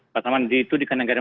pasaman itu dikenang kenang